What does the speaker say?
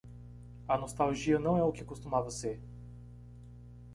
A nostalgia não é o que costumava ser.